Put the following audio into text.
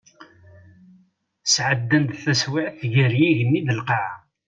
Sɛeddan-d taswiɛt gar yigenni d lqaɛa.